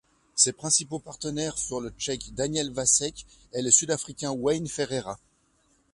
Ses principaux partenaires furent le Tchèque Daniel Vacek et le Sud-Africain Wayne Ferreira.